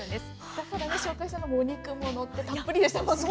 先ほどね紹介したのもお肉ものってたっぷりでしたもんね。